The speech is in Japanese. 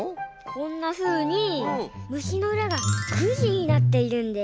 こんなふうにむしのうらがくじになっているんです。